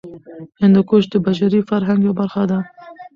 هندوکش د بشري فرهنګ یوه برخه ده.